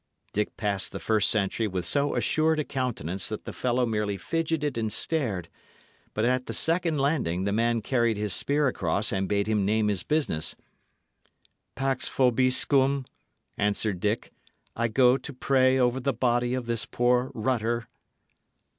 Dick passed the first sentry with so assured a countenance that the fellow merely figeted and stared; but at the second landing the man carried his spear across and bade him name his business. "Pax vobiscum," answered Dick. "I go to pray over the body of this poor Rutter."